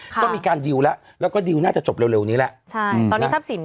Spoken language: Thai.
ก็มีการดิวแล้วแล้วก็ดิวน่าจะจบเร็วนี้แหละ